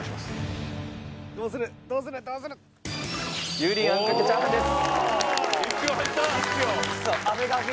油淋あんかけチャーハンです。